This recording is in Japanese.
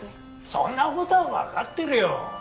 そんなことはわかってるよ！